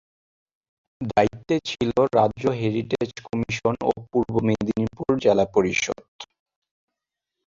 দায়িত্বে ছিল রাজ্য হেরিটেজ কমিশন ও পূর্ব মেদিনীপুর জেলা পরিষদ।